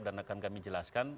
dan akan kami jelaskan